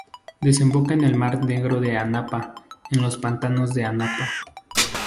Desemboca en el mar Negro en Anapa, en los pantanos de Anapa.